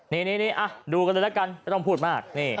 นี่ดูกันเลยละกันไม่ต้องพูดมาก